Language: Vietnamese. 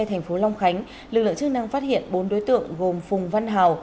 thành phố long khánh lực lượng chức năng phát hiện bốn đối tượng gồm phùng văn hào